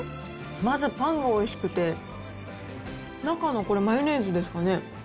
まずパンがおいしくて、中のこれ、マヨネーズですかね。